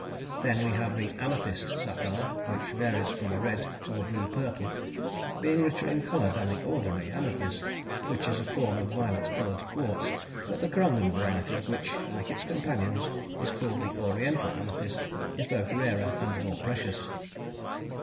Then we have the "amethyst" sapphire, which varies from a red to a blue purple, being richer in colour than the ordinary amethyst, which is a form of violet coloured quartz, but the corundum variety, which, like its companions, is called the "oriental" amethyst, is both rarer and more precious.